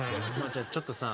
じゃあちょっとさ